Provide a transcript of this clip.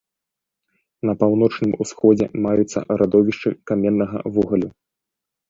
На паўночным усходзе маюцца радовішчы каменнага вугалю.